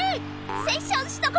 セッションしとく？